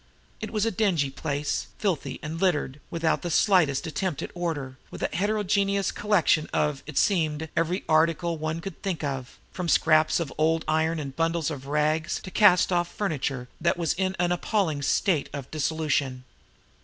It was a dingy place, filthy, and littered, without the slightest attempt at order, with a heterogeneous collection of, it seemed, every article one could think of, from scraps of old iron and bundles of rags to cast off furniture that was in an appalling state of dissolution.